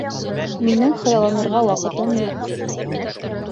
Минең хыялланырға ваҡытым юҡ.